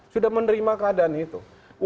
sudah menerima keadaan itu